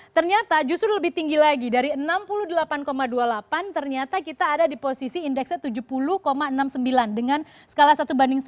ternyata justru lebih tinggi lagi dari enam puluh delapan dua puluh delapan ternyata kita ada di posisi indeksnya tujuh puluh enam puluh sembilan dengan skala satu banding satu